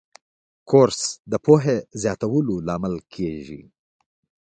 کورس د پوهې زیاتولو لامل کېږي.